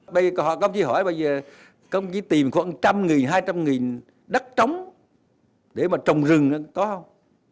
bây giờ công ty hỏi bây giờ công ty tìm khoảng một trăm linh nghìn hai trăm linh nghìn đất trống để mà trồng rừng có không